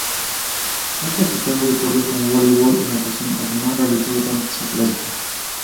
Ha practicado deportes como voleibol y natación, además realizó danza clásica.